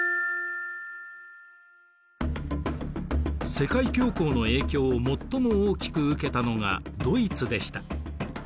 世界恐慌の影響を最も大きく受けたのがドイツでした。